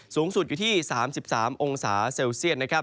สูงสุดอยู่ที่๓๓องศาเซลเซียต